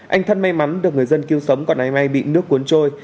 anh thân may mắn được người dân cứu sống còn anh may bị nước cuốn trôi